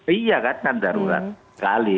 iya kan darurat sekali